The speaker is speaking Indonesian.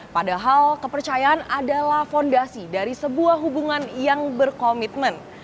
padahal kepercayaan adalah fondasi dari sebuah hubungan yang berkomitmen